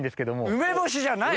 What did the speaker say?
梅干しじゃない？